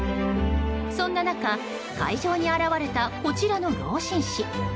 そんな中、会場に現れたこちらの老紳士。